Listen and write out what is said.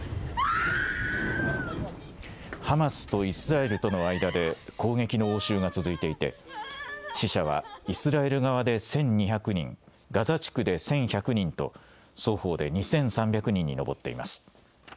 ハマスとイスラエルとの間で攻撃の応酬が続いていて死者はイスラエル側で１２００人ガザ地区で１１００人と双方で２３００人に上っています。